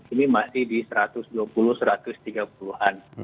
ini masih di satu ratus dua puluh satu ratus tiga puluh an